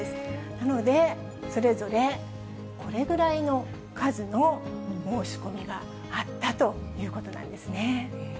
なので、それぞれこれぐらいの数の申し込みがあったということなんですね。